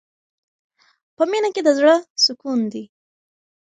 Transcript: په مینه کې د زړه سکون دی.